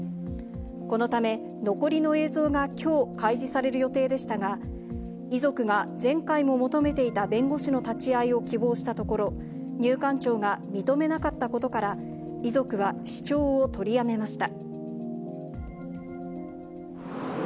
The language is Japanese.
このため、残りの映像がきょう開示される予定でしたが、遺族が、前回も求めていた弁護士の立ち会いを希望したところ、入管庁が認めなかったことから、遺族は視聴を取りやめました。